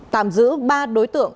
tạm giữ ba đối tượng